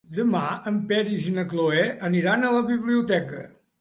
Demà en Peris i na Cloè aniran a la biblioteca.